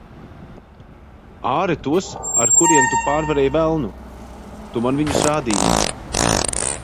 Āre tos, ar kuriem tu pārvarēji velnu. Tu man viņus rādīji.